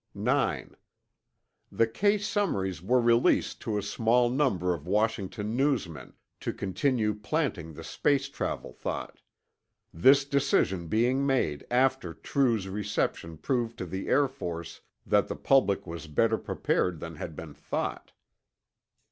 9. The case summaries were released to a small number of Washington newsmen, to continue planting the space travel thought; this decision being made after True's reception proved to the Air Force that the public was better prepared than had been thought.